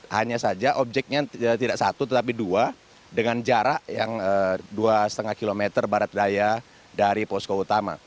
hanya saja objeknya tidak satu tetapi dua dengan jarak yang dua lima km barat daya dari posko utama